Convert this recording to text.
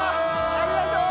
ありがとう！